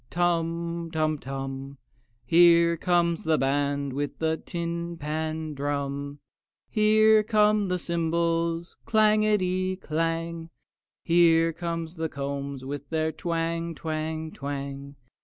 Tum, tum tum! Here comes the band with a tin pan drum; Here come the cymbals, clangety clang! Here come the combs with their twang, twang, twang!